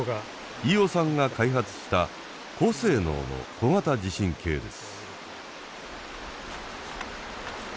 飯尾さんが開発した高性能の小型地震計です。